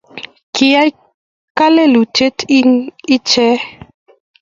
Kiyai kalelutik ingen?